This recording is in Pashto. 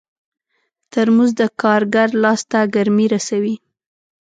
ترموز د کارګر لاس ته ګرمي رسوي.